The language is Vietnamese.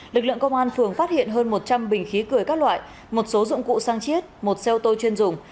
lực lượng công an phường phát hiện hơn một trăm linh bình khí cười các loại một số dụng cụ sang chiết một xe ô tô chuyên dùng